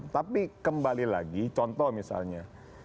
tapi kembali lagi contoh misalnya